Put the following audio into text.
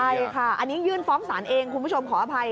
ใช่ค่ะอันนี้ยื่นฟ้องศาลเองคุณผู้ชมขออภัย